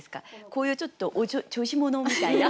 こういうちょっとお調子者みたいな。